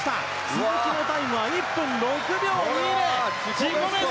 鈴木聡美のタイムは１分６秒２０。